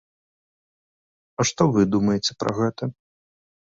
А што вы думаеце пра гэта?